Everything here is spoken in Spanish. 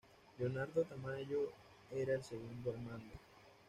Leonardo Tamayo era el segundo al mando.